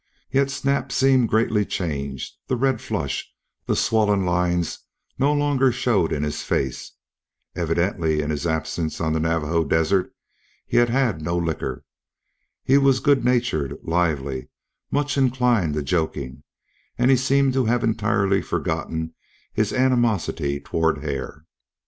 Yet Snap seemed greatly changed; the red flush, the swollen lines no longer showed in his face; evidently in his absence on the Navajo desert he had had no liquor; he was good natured, lively, much inclined to joking, and he seemed to have entirely forgotten his animosity toward Hare.